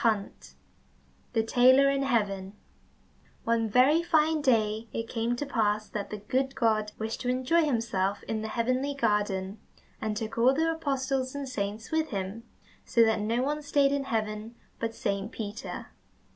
35 The Tailor in Heaven One very fine day it came to pass that the good God wished to enjoy himself in the heavenly garden, and took all the apostles and saints with him, so that no one stayed in heaven but Saint Peter.